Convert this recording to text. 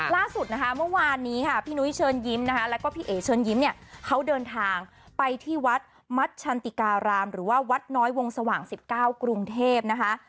ล่าสุดนะคะเมื่อวานนี้ค่ะพี่นุ้ยเชิญยิ้มนะคะแล้วก็พี่เอ๋เชิญยิ้มเนี่ยเขาเดินทางไปที่วัดมัชชันติการามหรือว่าวัดน้อยวงสว่าง๑๙กรุงเทพนะคะ